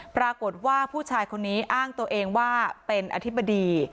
ปรากฏว่าผู้ชายคนนี้อ้างตัวเองว่าเป็นอธิบดี